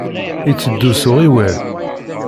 Iteddu s uɣiwel.